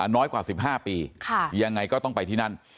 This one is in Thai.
น้อยกว่า๑๕ปียังไงก็ต้องไปที่นั่น